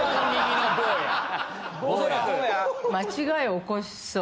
間違いを起こしそう。